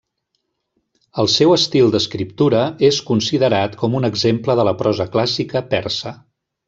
El seu estil d'escriptura és considerat com un exemple de la prosa clàssica persa.